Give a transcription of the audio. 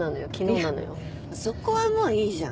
いやそこはもういいじゃん。